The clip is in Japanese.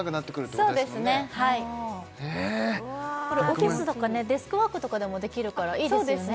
そうですねはいこれオフィスとかデスクワークとかでもできるからいいですよね